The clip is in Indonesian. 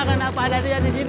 kenapa ada rian di sini